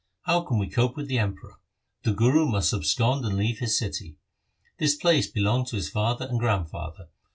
How can we cope with the Emperor ? The Guru must abscond and leave his city. This place belonged to his father and grandfather.